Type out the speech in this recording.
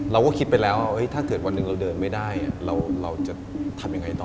เราก็คิดไปแล้วถ้าเกิดวันหนึ่งเราเดินไม่ได้เราจะทำยังไงต่อ